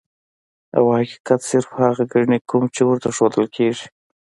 او حقيقت صرف هغه ګڼي کوم چي ورته ښودل کيږي.